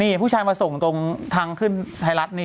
นี่ผู้ชายมาส่งตรงทางขึ้นไทยรัฐนี่